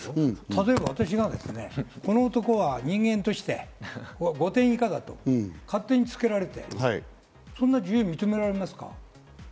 例えば私がこの男は人間として５点以下だと勝手に付けられて、そんな自由認められますか？